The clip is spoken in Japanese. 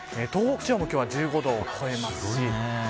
東北地方も今日は１５度を超えます。